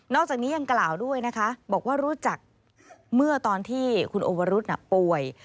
จากนี้ยังกล่าวด้วยนะคะบอกว่ารู้จักเมื่อตอนที่คุณโอวรุษป่วย